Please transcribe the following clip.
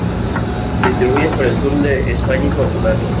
Se distribuye por el sur de España y Portugal.